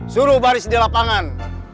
suruh baris di lapangan